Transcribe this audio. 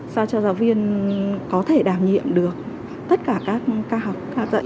sao cho giáo viên có thể đảm nhiệm được tất cả các ca học ca dạy